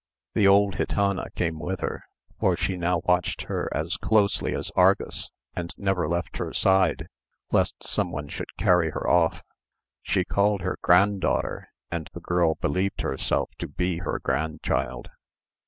The old gitana came with her, for she now watched her as closely as Argus, and never left her side, lest some one should carry her off. She called her granddaughter, and the girl believed herself to be her grandchild.